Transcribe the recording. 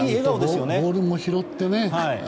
ボールも拾ってね。